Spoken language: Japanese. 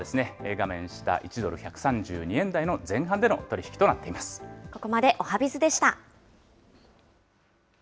画面下、１ドル１３２円台の前半ここまでおはＢｉｚでした。